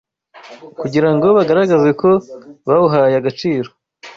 kugira ngo bagaragaze ko bawuhaye agaciro.